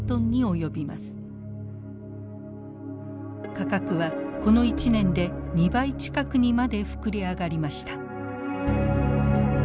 価格はこの１年で２倍近くにまで膨れ上がりました。